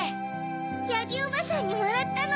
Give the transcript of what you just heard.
ヤギおばさんにもらったの。